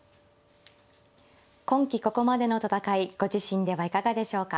今期ここまでの戦いご自身ではいかがでしょうか。